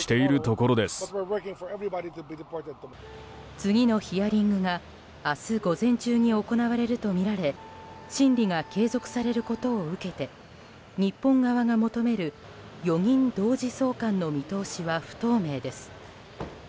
次のヒアリングが明日午前中に行われるとみられ審理が継続されることを受けて日本側が求める４人同時送還の見通しは不透明です。